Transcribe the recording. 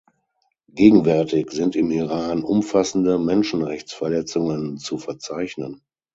Gegenwärtig sind im Iran umfassende Menschenrechtsverletzungen zu verzeichnen.